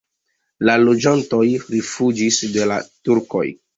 La loĝantoj rifuĝis de la turkoj.